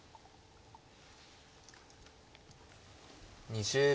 ２０秒。